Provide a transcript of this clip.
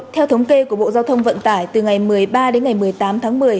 theo thống kê của bộ giao thông vận tải từ ngày một mươi ba đến ngày một mươi tám tháng một mươi